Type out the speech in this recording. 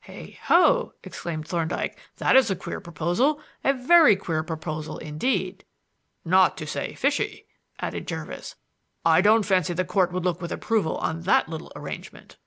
"Hey, ho!" exclaimed Thorndyke; "that is a queer proposal; a very queer proposal indeed." "Not to say fishy," added Jervis. "I don't fancy the Court would look with approval on that little arrangement."